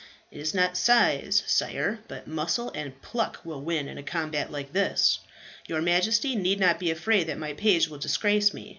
"It is not size, sire, but muscle and pluck will win in a combat like this. Your Majesty need not be afraid that my page will disgrace me.